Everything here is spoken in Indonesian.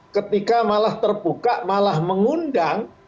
ketika malah terbuka malah mengundang